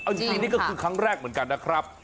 อันนี้คือครั้งแรกเหมือนกันนะครับ